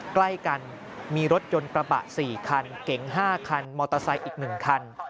ใกล้กันมีรถยนต์กระบะสี่คันเก๋งห้าคันอีกหนึ่งคัน